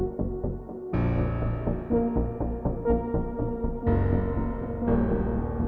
nanti jatuh malah nyalahin lagi